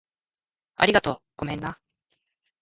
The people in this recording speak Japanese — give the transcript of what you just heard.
ありがとう。ごめんな